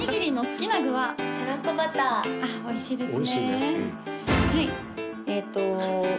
ああおいしいですね